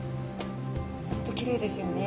本当きれいですよね。